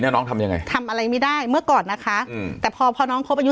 น้องทำยังไงทำอะไรไม่ได้เมื่อก่อนนะคะอืมแต่พอพอน้องคบอายุ